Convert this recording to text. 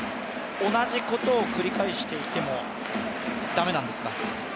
同じことを繰り返していても駄目なんですか。